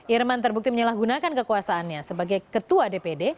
irman terbukti menyalahgunakan kekuasaannya sebagai ketua dpd